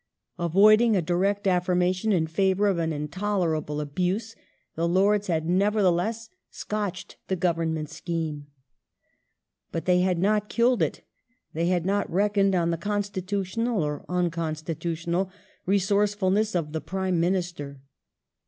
Avoiding a direct affirmation in favour of an intolerable abuse, the Lords had nevertheless scotched the Government scheme. But they had not killed it. They had not reckoned on the constitutional (or un constitutional) resourcefulness of the Prime Minister.